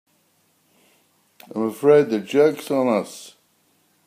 I'm afraid the joke's on us.